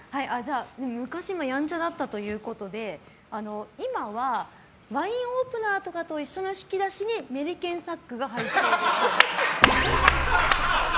昔ヤンチャだったということで今はワインオープナーとかと一緒の引き出しにメリケンサックが入っているっぽい。